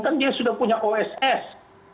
kan dia sudah punya oss